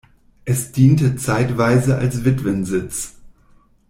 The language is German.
Es diente zeitweise als Witwensitz.